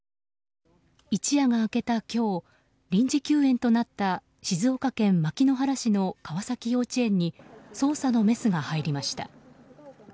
一夜が明けた今日臨時休園となった静岡県牧之原市の川崎幼稚園に捜査のメスが入りました。